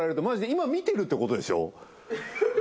泪犬悩見てるってことでしょ？